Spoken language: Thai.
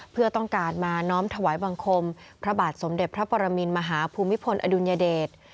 เพื่อต้องการมาน้อมถวายบังคมพระบาทสมเด็จพระปรมินมหาภูมิพลอดุลยเดช